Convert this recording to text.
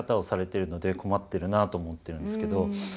僕自身がので困ってるなあと思ってるんですけど。